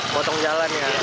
potong jalan ya